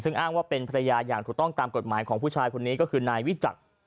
ซึ่งอ้างว่าเป็นภรรยาอย่างถูกต้องตามกฎหมายของผู้ชายคนนี้ก็คือนายวิจักร